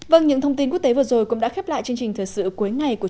vâng những thông tin quốc tế vừa rồi cũng đã khép lại chương trình thời sự cuối ngày của